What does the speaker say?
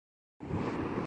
!مجھے کوئ پرواہ نہیں